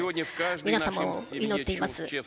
皆様を祈っています。